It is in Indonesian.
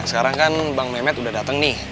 sekarang kan bang mehmet udah dateng nih